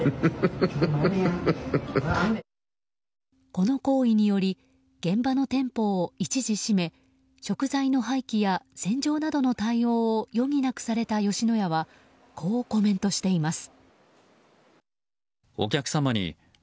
この行為により現場の店舗を一時閉め食材の廃棄や洗浄などの対応を余儀なくされた吉野家はこうコメントしています。